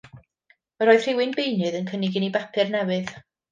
Yr oedd rhywun beunydd yn cynnig i ni bapur newydd.